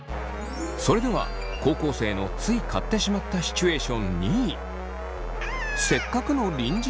それでは高校生のつい買ってしまったシチュエーション２位。